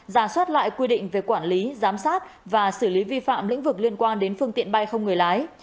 giả soát lại quy định về quản lý giám sát và xử lý vi phạm lĩnh vực liên quan đến phương tiện bay không người lái